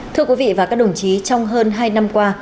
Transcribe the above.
thưa quý vị và các đồng chí trong hơn hai năm qua